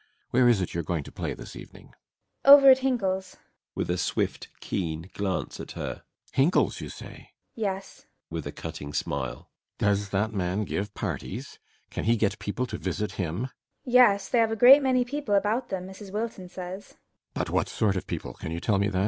Where is it you are going to play this evening? FRIDA. Over at the Hinkel's. BORKMAN. [With a swift, keen glance at her.] Hinkel's, you say! FRIDA. Yes. BORKMAN. [With a cutting smile.] Does that man give parties? Can he get people to visit him? FRIDA. Yes, they have a great many people about them, Mrs. Wilton says.